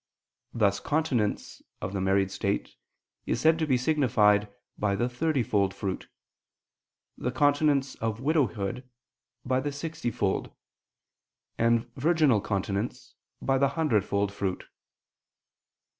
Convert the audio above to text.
Thus continency of the married state is said to be signified by the thirtyfold fruit; the continency of widowhood, by the sixtyfold; and virginal continency, by the hundredfold fruit.